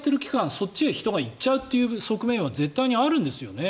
こっちへ人が行っちゃう側面は絶対にあるんですよね。